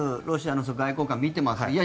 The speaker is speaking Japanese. ロシアの外交官が見ています。